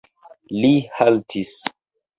Li haltis.